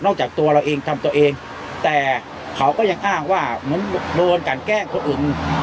จากตัวเราเองทำตัวเองแต่เขาก็ยังอ้างว่าเหมือนโดนกันแกล้งคนอื่น